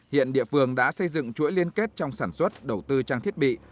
hiện địa phương đã xây dựng chuỗi liên kết trong sản xuất đầu tư trang thiết bị